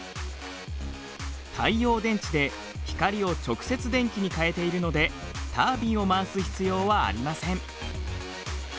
太陽電池で光を直接電気に変えているのでタービンを回す必要はありません。